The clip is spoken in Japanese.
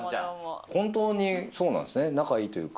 本当にそうなんですね、仲いいというか。